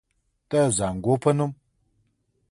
د زانګو پۀ نوم